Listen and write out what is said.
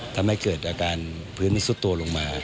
ทำให้เกิดอาการพื้นที่ซุดตัวลงมา